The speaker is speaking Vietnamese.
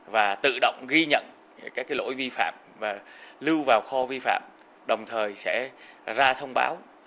và tự động ghi nhận các lỗi vi phạm và lưu vào kho vi phạm đồng thời sẽ ra thông báo